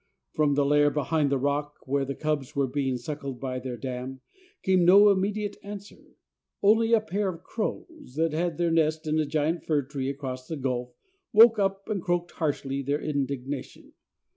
From the lair behind the rock, where the cubs were being suckled by their dam, came no immediate answer. Only a pair of crows, that had their nest in a giant fir tree across the gulf, woke up and croaked harshly their indignation.